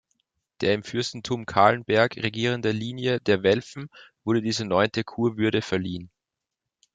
Der im Fürstentum Calenberg regierenden Linie der Welfen wurde diese neunte Kurwürde verliehen.